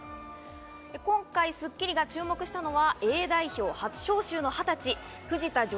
今回『スッキリ』が注目したのはＡ代表初招集の二十歳、藤田譲